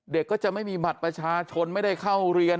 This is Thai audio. ก็จะไม่มีบัตรประชาชนไม่ได้เข้าเรียน